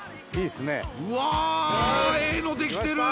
うわー、ええの出来てる。